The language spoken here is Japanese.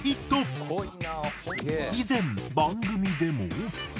以前番組でも。